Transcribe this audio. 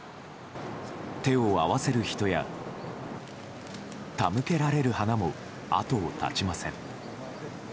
手を合わせる人や手向けられる花も後を絶ちません。